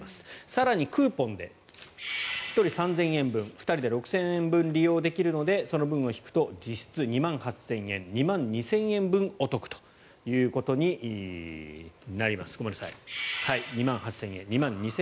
更にクーポンで１人３０００円分２人で６０００円分利用できるのでその分を引くと実質２万８０００円２万２０００円分お得ということになります。